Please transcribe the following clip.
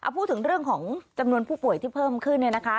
พูดถึงเรื่องของจำนวนผู้ป่วยที่เพิ่มขึ้น